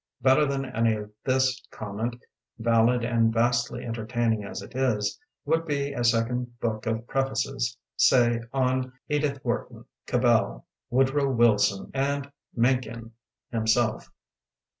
Better than any of this comment, valid and vastly entertaining as it is, would be a second Book of Prefaces say on Edith Wharton, Cabell, Woodrow Wil son— ^and Mencken himself.